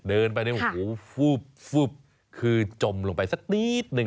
เดินไปเนี่ยโอ้โหฟืบคือจมลงไปสักนิดนึง